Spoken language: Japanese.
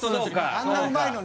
あんなうまいのに？